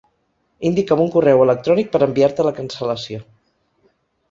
Indica'm un correu electrònic per enviar-te la cancel·lació.